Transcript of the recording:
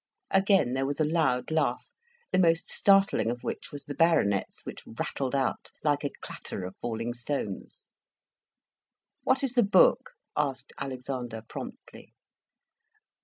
Again there was a loud laugh, the most startling of which was the Baronet's, which rattled out like a clatter of falling stones. "What is the book?" asked Alexander, promptly.